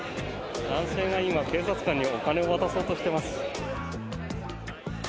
男性が今、警察官にお金を渡そうとしています。